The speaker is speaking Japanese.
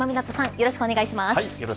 よろしくお願いします。